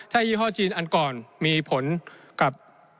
ถ้ายี่ห้อจีนอันก่อนมีผลกับ